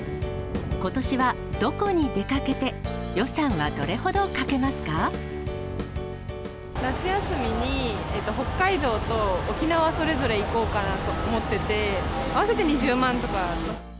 ことしはどこに出かけて、夏休みに北海道と沖縄、それぞれ行こうかなと思ってて、合わせて２０万とか。